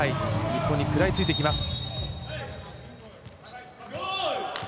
日本に食らいついていきます。